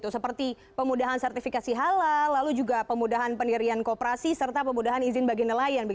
seperti pemudahan sertifikasi halal lalu juga pemudahan pendirian kooperasi serta pemudahan izin bagi nelayan